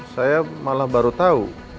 saya malah baru tau